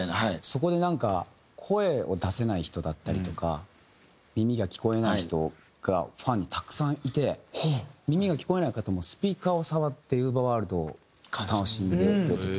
そこでなんか声を出せない人だったりとか耳が聞こえない人がファンにたくさんいて耳が聞こえない方もスピーカーを触ってＵＶＥＲｗｏｒｌｄを楽しんでくれてて。